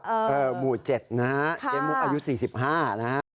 เออหมู่เจ็ดนะฮะค่ะเจมมุกอายุสี่สิบห้านะฮะ